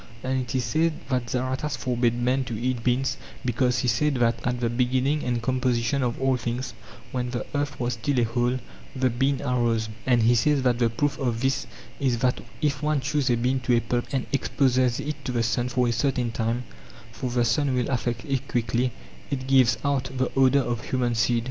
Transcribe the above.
And it is said that Zaratas forbade men ji Cf. Epiph. Haer. i. 7; Dow. 589. 154 THE FIRST PHILOSOPHERS OF GREECE to eat beans because he said that at the beginning and composition of all things when the earth was still a whole, the bean arose. And he says that the proof of this is that if one chews a bean to a pulp and exposes it to the sun for a certain time (for the sun will affect it quickly), it gives out the odour of humanseed.